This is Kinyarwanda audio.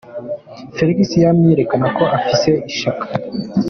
"Felix yamye yerekana ko afise ishaka.